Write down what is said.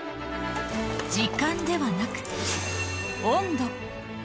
時間ではなく温度。